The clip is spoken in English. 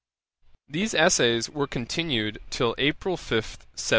These essays were continued till April 5, 1760.